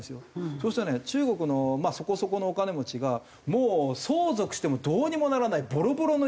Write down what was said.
そうするとね中国のそこそこのお金持ちがもう相続してもどうにもならないボロボロの家。